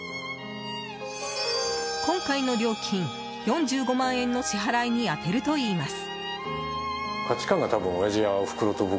今回の料金、４５万円の支払いに充てるといいます。